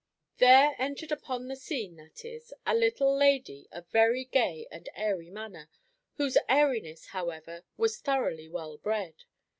There entered upon the scene, that is, a little lady of very gay and airy manner; whose airiness, however, was thoroughly well bred.